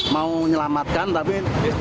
mau menyelamatkan tapi